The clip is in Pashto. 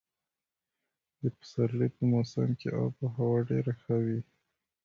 د پسرلي په موسم کې اب هوا ډېره ښه وي.